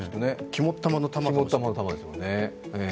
肝っ玉の玉ですよね。